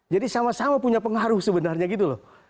jadi sama sama punya pengaruh sebenarnya gitu loh